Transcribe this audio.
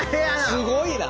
すごいな！